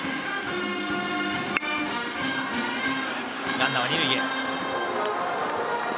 ランナーは二塁へ。